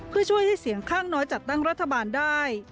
เพื่อช่วยให้เสียงข้างน้อยจัดตั้งรัฐบาลได้